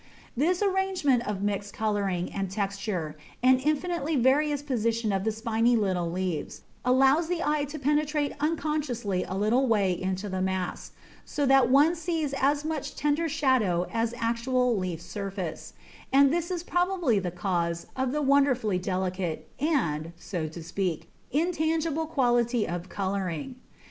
This arrangement of mixed colouring and texture, and infinitely various position of the spiny little leaves, allows the eye to penetrate unconsciously a little way into the mass, so that one sees as much tender shadow as actual leaf surface, and this is probably the cause of the wonderfully delicate and, so to speak, intangible quality of colouring.